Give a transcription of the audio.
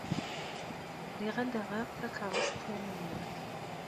Riɣ ad d-aɣeɣ takerrust tamaynut.